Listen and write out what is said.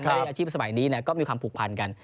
ในอาชีพสมัยนี้ก็มีความผูกพันกัน